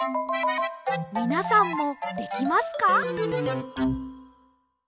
みなさんもできますか？